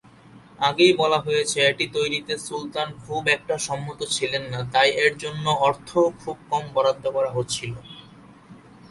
আগেই বলা হয়েছে এটি তৈরীতে সুলতান খুব একটা সম্মত ছিলেন না তাই এর জন্য অর্থও খুব কম বরাদ্দ করা হচ্ছিল।